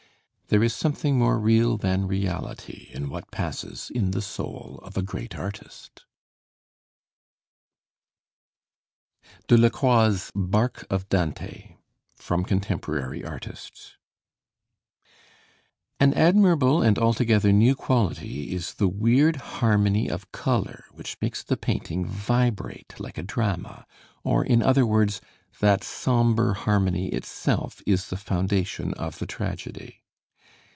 There is something more real than reality in what passes in the soul of a great artist! DELACROIX'S 'BARK OF DANTE' From 'Contemporary Artists' An admirable and altogether new quality is the weird harmony of color which makes the painting vibrate like a drama; or in other words, that sombre harmony itself is the foundation of the tragedy.